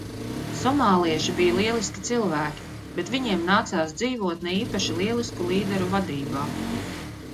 Somālieši bija lieliski cilvēki, bet viņiem nācies dzīvot ne īpaši lielisku līderu vadībā.